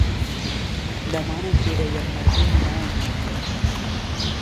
Demà na Sira i en Martí aniran al metge.